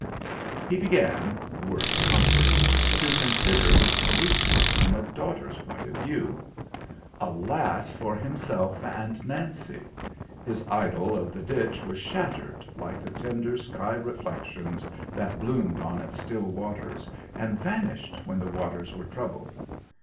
He began worse comfort to consider his police work from a daughter's point of view. Alas for himself and Nancy! His idyl of the ditch was shattered like the tender sky reflections that bloomed on its still waters, and vanished when the waters were troubled.